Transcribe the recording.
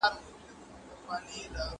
ټولنيز او طبيعي علوم ورته قوانين لري.